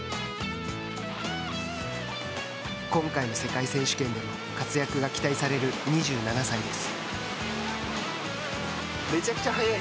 今回の世界選手権でも活躍が期待される２７歳です。